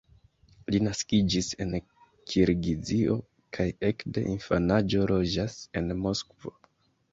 Li naskiĝis en Kirgizio, kaj ekde infanaĝo loĝas en Moskvo.